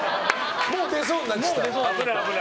もう出そうになった。